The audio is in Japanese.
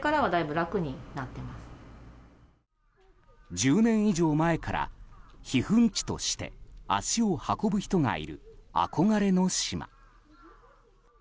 １０年以上前から避粉地として足を運ぶ人がいる憧れの島。